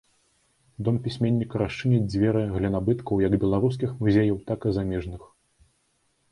Дом пісьменніка расчыніць дзверы для набыткаў як беларускіх музеяў, так і замежных.